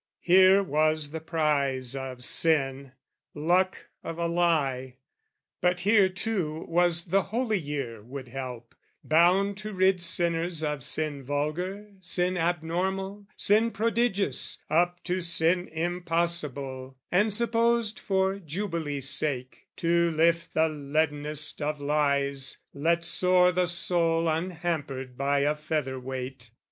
Here was the prize of sin, luck of a lie! But here too was the Holy Year would help, Bound to rid sinners of sin vulgar, sin Abnormal, sin prodigious, up to sin Impossible and supposed for Jubilee' sake: To lift the leadenest of lies, let soar The soul unhampered by a feather weight.